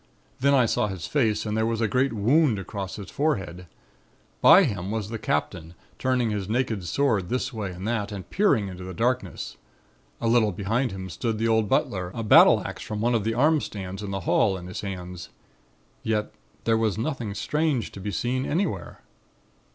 Then I saw his face and there was a great wound across his forehead. By him was the Captain, turning his naked sword this way and that, and peering into the darkness; a little behind him stood the old butler, a battle axe from one of the arm stands in the hall in his hands. Yet there was nothing strange to be seen anywhere.